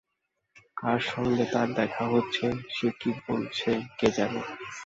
কার সঙ্গে তার দেখা হচ্ছে, সে কী বলছে কে জানে?